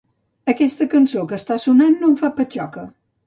Aquesta cançó que està sonant no em fa patxoca.